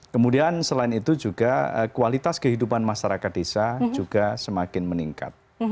kemudian selain itu juga kualitas kehidupan masyarakat desa juga semakin meningkat